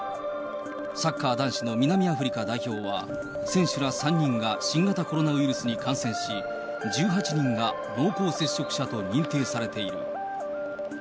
サッカー男子の南アフリカ代表は、選手ら３人が新型コロナウイルスに感染し、１８人が濃厚接触者と認定されている。